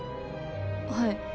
はい。